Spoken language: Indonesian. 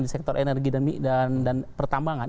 di sektor energi dan pertambangan